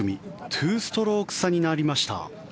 ２ストローク差になりました。